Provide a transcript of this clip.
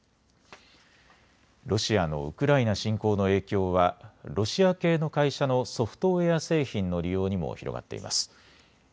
ロシアのウクライナ侵攻の影響はロシア系の会社のソフトウエア製品の利用にも広がっています。